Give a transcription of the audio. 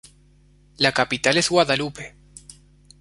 La capital es Guadalupe.